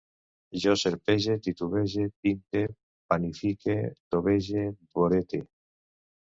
Jo serpege, titubege, tinte, panifique, tovege, vorete